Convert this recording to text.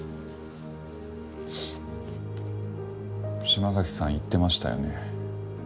島崎さん言ってましたよね。